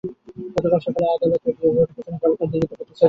গতকাল সকালে আদালত ভবনের পেছনে জলকর দিঘিতে পথচারীরা তাঁর লাশ ভাসতে দেখে।